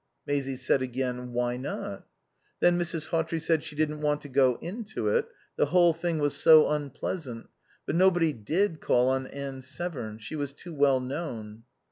Maisie said again, "Why not?" Then Mrs. Hawtrey said she didn't want to go into it, the whole thing was so unpleasant, but nobody did call on Anne Severn. She was too well known.